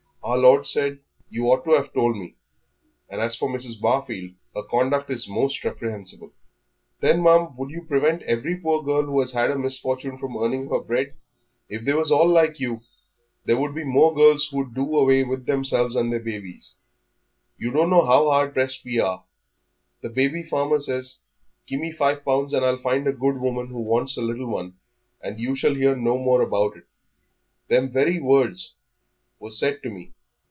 Our Lord said " "You ought to have told me; and as for Mrs. Barfield, her conduct is most reprehensible." "Then, ma'am, would you prevent every poor girl who has had a misfortune from earning her bread? If they was all like you there would be more girls who'd do away with themselves and their babies. You don't know how hard pressed we are. The baby farmer says, 'Give me five pounds and I'll find a good woman who wants a little one, and you shall hear no more about it.' Them very words were said to me.